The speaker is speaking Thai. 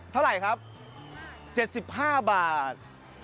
เท่าไรครับ๗๕บาท๗๕บาท